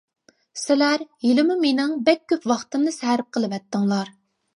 سىلەر ھېلىمۇ مېنىڭ بەك كۆپ ۋاقتىمنى سەرپ قىلىۋەتتىڭلار.